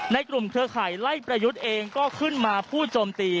ในกลุ่มเครือข่ายไล่ประยุทธ์เองก็ขึ้นมาพูดโจมตี